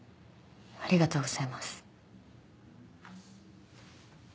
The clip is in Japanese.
ありがとうございます。